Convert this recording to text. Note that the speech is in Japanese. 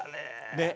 ねっ。